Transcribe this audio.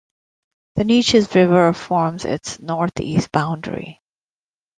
The Neches River forms its northeast boundary.